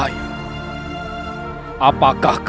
hanya untuk menemui kakang sancang lodaya